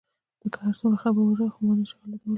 ته که هر څومره خبره واړوې، خو ما نه شې غلتولای.